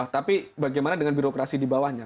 tapi bagaimana dengan birokrasi di bawahnya